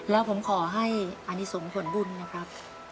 แล้วผมขอให้อนิสมผลบุญนะครับ